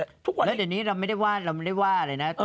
และตอนนี้เราไม่ได้ว่าอะไรนะ